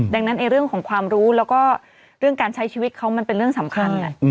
ดังนั้นในเรื่องของความรู้แล้วก็เรื่องการใช้ชีวิตเขามันเป็นเรื่องสำคัญไง